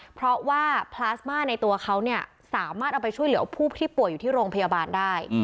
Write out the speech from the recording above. เพราะว่าพลาสมาในตัวเขาเนี่ยสามารถเอาไปช่วยเหลือผู้ที่ป่วยอยู่ที่โรงพยาบาลได้